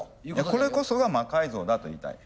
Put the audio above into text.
これこそが魔改造だと言いたい。